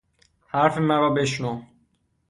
حرف مرا بشنو!